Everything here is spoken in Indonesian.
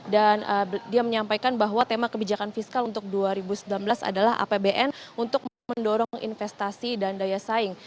dan dia menyampaikan bahwa tema kebijakan fiskal untuk dua ribu sembilan belas adalah apbn untuk mendorong investasi dan daya saing